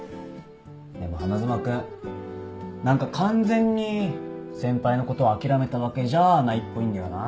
でも花妻君何か完全に先輩のこと諦めたわけじゃないっぽいんだよな。